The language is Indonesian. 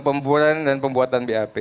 pembuatan dan pembuatan bap